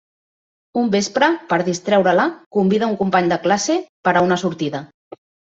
Un vespre, per distreure-la, convida un company de classe per a una sortida.